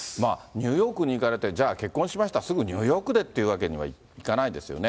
ニューヨークに行かれて、じゃあ、結婚しました、すぐニューヨークでっていうわけにはいかないですよね。